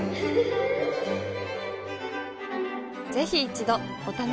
ぜひ一度お試しを。